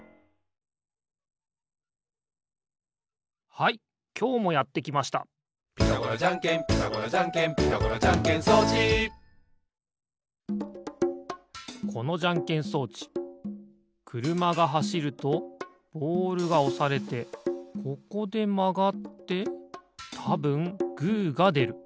はいきょうもやってきました「ピタゴラじゃんけんピタゴラじゃんけん」「ピタゴラじゃんけん装置」このじゃんけん装置くるまがはしるとボールがおされてここでまがってたぶんグーがでる。